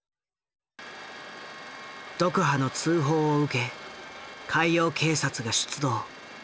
ドクハの通報を受け海洋警察が出動。